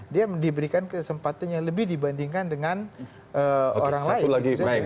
dia diberikan kesempatan yang lebih dibandingkan dengan orang lain